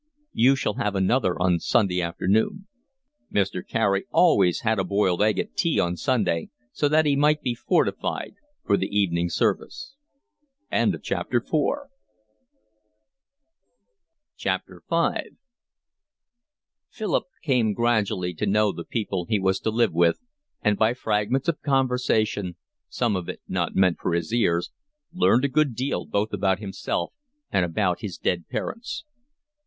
"You shall have another one on Sunday afternoon." Mr. Carey always had a boiled egg at tea on Sunday, so that he might be fortified for the evening service. V Philip came gradually to know the people he was to live with, and by fragments of conversation, some of it not meant for his ears, learned a good deal both about himself and about his dead parents.